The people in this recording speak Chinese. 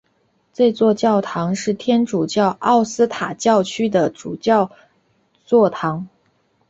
这座教堂是天主教奥斯塔教区的主教座堂。